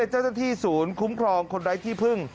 เจ้าหน้าที่ศูนย์คุ้มครองคนไร้ที่พึ่ง